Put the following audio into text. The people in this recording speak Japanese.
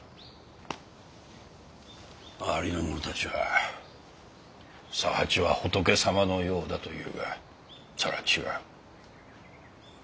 周りの者たちは佐八は仏様のようだと言うがそれは違う。